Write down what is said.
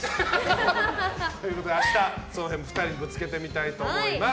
明日、２人にぶつけてみたいと思います。